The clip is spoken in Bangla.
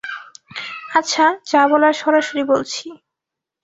আচ্ছা, যা বলার সরাসরি বলছি।